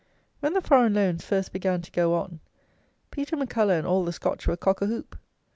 When the foreign loans first began to go on, Peter M'Culloch and all the Scotch were cock o' whoop.